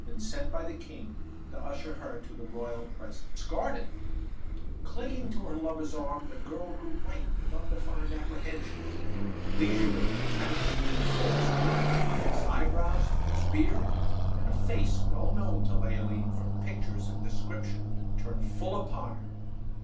But, beautiful Leoline, you have yet to learn whom you have discarded." Clinging to her lover's arm, the girl grew white with undefined apprehension. Leisurely, the count removed false wig, false eyebrows, false beard; and a face well known to Leoline, from pictures and description, turned full upon her.